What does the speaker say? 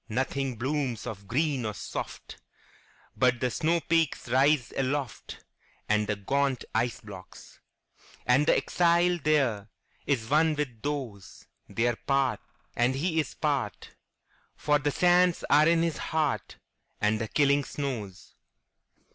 Nothing blooms of green or soft, But the snowpeaks rise aloftAnd the gaunt ice blocks. And the exile thereIs one with those; They are part, and he is part, For the sands are in his heart, And the killing snows.